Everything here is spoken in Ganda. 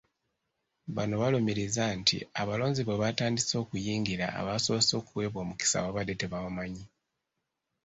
Bano balumiriza nti abalonzi bwe batandise okuyingira abasoose okuweebwa omukisa babadde tebamanyiddwa.